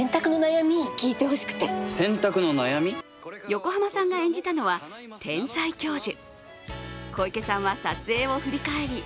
横浜さんが演じたのは天才教授。